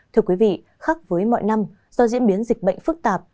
thưa quý vị khác với mọi năm do diễn biến dịch bệnh phức tạp